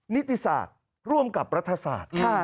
นิติศาสตร์ร่วมกับรัฐศาสตร์